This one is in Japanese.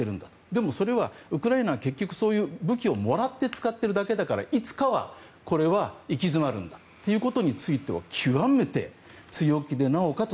でも、それはウクライナが結局そういう武器をもらって使っているだけだからいつかはこれは行き詰まるんだということについては極めて強気で、なおかつ